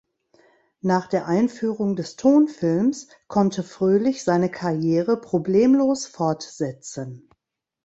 Nach der Einführung des Tonfilms konnte Fröhlich seine Karriere problemlos fortsetzen.